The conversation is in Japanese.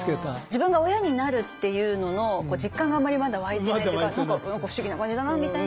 自分が親になるっていうのの実感があまりまだ湧いてないっていうか何か不思議な感じだなみたいな。